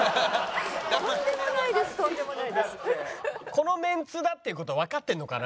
このメンツだっていう事はわかってるのかな？